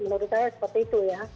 menurut saya seperti itu